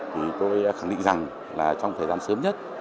thì tôi khẳng định rằng là trong thời gian sớm nhất